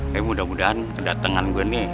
ya mudah mudahan kedatengan gue nih